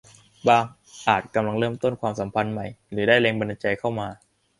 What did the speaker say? บ้างอาจกำลังเริ่มต้นความสัมพันธ์ใหม่ หรือได้แรงบันดาลใจเข้ามา